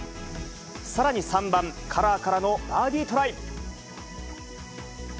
さらに３番カラーからのバーディートライ。